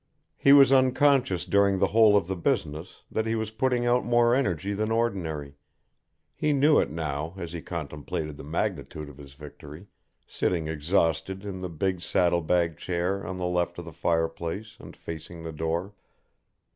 He was unconscious during the whole of the business that he was putting out more energy than ordinary, he knew it now as he contemplated the magnitude of his victory, sitting exhausted in the big saddle bag chair on the left of the fire place and facing the door.